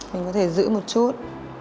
mình có thể giữ một chút